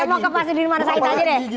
saya mau ke mas adi prayitno aja deh